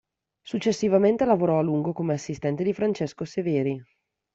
Successivamente lavorò a lungo come assistente di Francesco Severi.